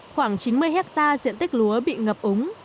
khoảng chín mươi hectare diện tích lúa bị ngập úng